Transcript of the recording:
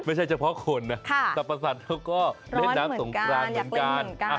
ไม่ใช่เฉพาะคนนะสรรพสัตว์เขาก็เล่นน้ำสงครานเหมือนกัน